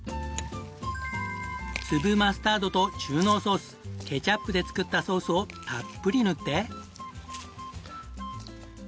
粒マスタードと中濃ソースケチャップで作ったソースをたっぷり塗って。